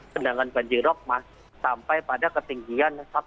dengan banji rop masih sampai pada ketinggian